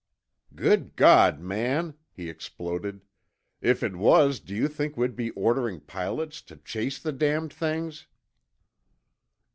"Good God, man!" he exploded. "If it was, do you think we'd be ordering pilots to chase the damned things?"